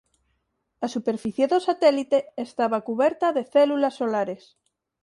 A superficie do satélite estaba cuberta de células solares.